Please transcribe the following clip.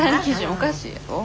おかしいやろ。